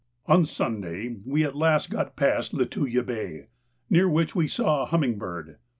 On Sunday we at last got past Lituya Bay, near which we saw a humming bird.